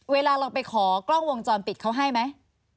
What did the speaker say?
เวลาเราไปขอกล้องวงจรปิดเขาให้ไหม